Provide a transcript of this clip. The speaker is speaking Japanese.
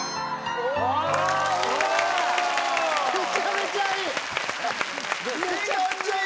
めちゃめちゃいい！